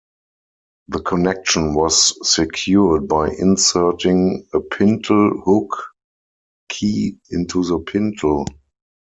The connection was secured by inserting a pintle hook key into the pintle.